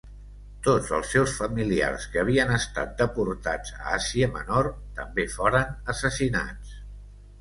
Tots els seus familiars, que havien estat deportats a Àsia Menor, també foren assassinats.